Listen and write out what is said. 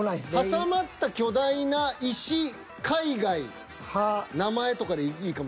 挟まった巨大な石海外名前とかでいいかもしんない。